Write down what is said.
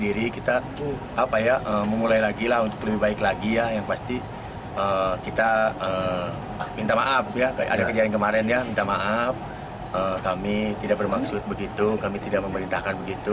di p increasingly hubungan dengan markahan dan del ziara mintade kan penunjukkan secara maksimal itu saatnewsnews carbono